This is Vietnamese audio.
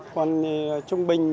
còn trung bình